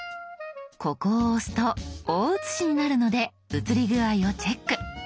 ここを押すと大写しになるので写り具合をチェック。